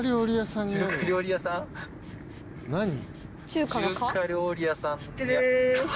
中華料理屋さん。